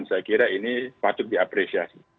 saya kira ini patut diapresiasi